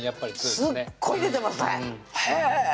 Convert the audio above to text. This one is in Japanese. すっごい出てますねへぇ！